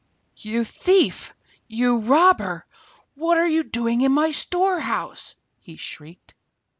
"You thief! You robber! What are you doing in my storehouse?" he shrieked.